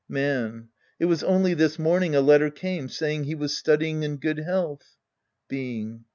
Man. It was only this morning a letter came saying he was studying in good health. Being.